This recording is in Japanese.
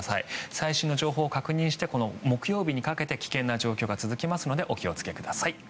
最新の情報を確認して木曜日にかけて危険な状況が続きますのでお気をつけください。